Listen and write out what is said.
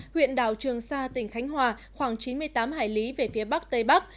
huyện đảo trường sa tỉnh khánh hòa khoảng chín mươi tám hải lý về phía bắc tây bắc